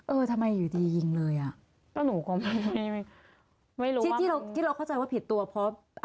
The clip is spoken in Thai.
เออทำไมอยู่ดียิงเลยอ่ะแล้วหนูก็ไม่ไม่รู้ที่ที่เราที่เราเข้าใจว่าผิดตัวเพราะ